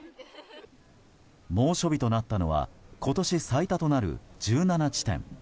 猛暑日となったのは今年最多となる１７地点。